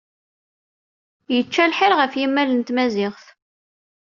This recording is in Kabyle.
Yečča lḥir ɣef yimmal n Tmaziɣt.